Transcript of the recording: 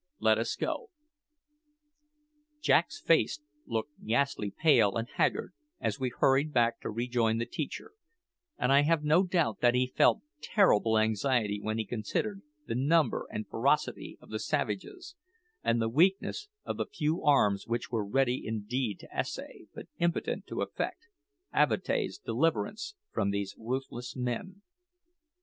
Let us go." Jack's face looked ghastly pale and haggard as we hurried back to rejoin the teacher; and I have no doubt that he felt terrible anxiety when he considered the number and ferocity of the savages, and the weakness of the few arms which were ready indeed to essay, but impotent to effect, Avatea's deliverance from these ruthless men.